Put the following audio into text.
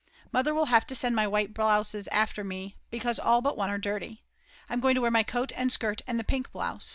Mother will have to send my white blouses after me, because all but one are dirty. I'm going to wear my coat and skirt and the pink blouse.